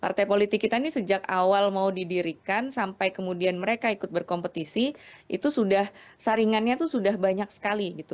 partai politik kita ini sejak awal mau didirikan sampai kemudian mereka ikut berkompetisi itu sudah saringannya itu sudah banyak sekali gitu